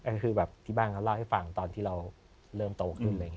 ก็คือแบบที่บ้านเราเล่าให้ฟังตอนที่เราเริ่มโตขึ้นเลย